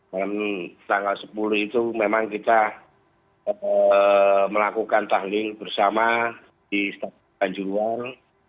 dan tanggal sepuluh itu memang kita melakukan tahlil bersama di stadion banjuluar